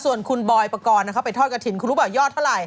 ส่วนคุณบอยปกรณ์ไปทอดกระถิ่นคุณรู้ป่ะยอดเท่าไห